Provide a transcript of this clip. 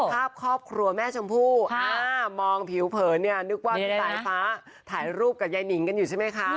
ภาพครอบครัวแม่ชมพู่มองผิวเผินเนี่ยนึกว่าเป็นสายฟ้าถ่ายรูปกับยายนิงกันอยู่ใช่ไหมคะ